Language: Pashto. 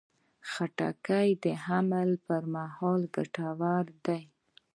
خټکی د حمل پر مهال ګټور دی.